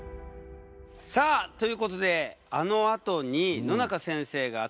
さあということであのあとに野中先生がえ！？